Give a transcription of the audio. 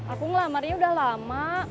aku ngelamarnya udah lama